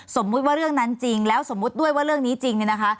สมมุติว่าเรื่องนั้นจริงแล้วสมมุติด้วยว่าเรื่องนี้จริงเนี่ยนะคะ